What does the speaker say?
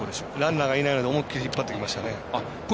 ランナーがいないので思い切り引っ張ってきました。